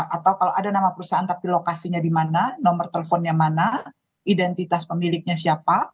atau kalau ada nama perusahaan tapi lokasinya di mana nomor teleponnya mana identitas pemiliknya siapa